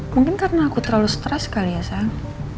mungkin karena aku terlalu stres kali ya sayang